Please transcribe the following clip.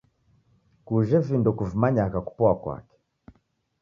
Kujhe vindo kuvimanyagha kupoa kwake